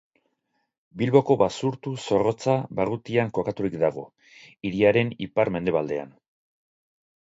Bilboko Basurtu-Zorrotza barrutian kokaturik dago, hiriaren ipar-mendebaldean.